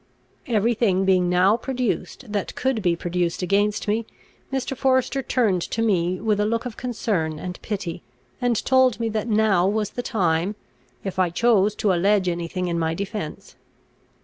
Every thing being now produced that could be produced against me, Mr. Forester turned to me with a look of concern and pity, and told me that now was the time, if I chose to allege any thing in my defence.